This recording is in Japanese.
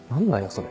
それ。